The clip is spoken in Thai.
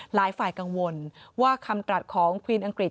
หลายฝ่ายกังวลว่าคำตรัสของควีนอังกฤษ